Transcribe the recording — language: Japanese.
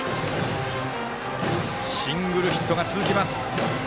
シングルヒットが続きます。